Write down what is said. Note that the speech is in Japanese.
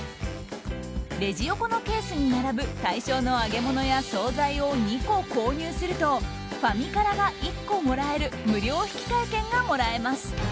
レジ横のケースに並ぶ対象の揚げ物や総菜を２個購入するとファミからが１個もらえる無料引換券がもらえます。